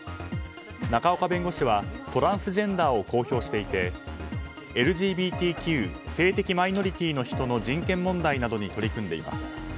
仲岡弁護士はトランスジェンダーを公表していてＬＧＢＴＱ・性的マイノリティーの人の人権問題などに取り組んでいます。